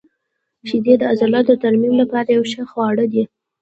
• شیدې د عضلاتو د ترمیم لپاره یو ښه خواړه دي.